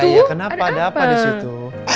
iya kenapa ada apa disitu